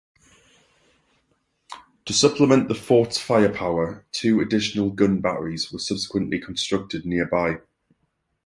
To supplement the fort's firepower, two additional gun batteries were subsequently constructed nearby.